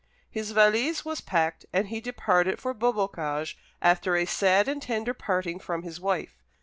His valise was packed, and he departed for Beaubocage, after a sad and tender parting from his wife.